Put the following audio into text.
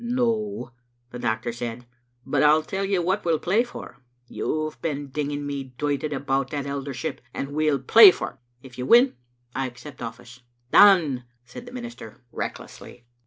"No," the doctor said, "but I'll tell you what we'll play for. You've been dinging me doited about that eldership, and we'll play for't. If you win I accept oflSce." "Done," said the minister, recklessly.